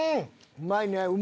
うまいね！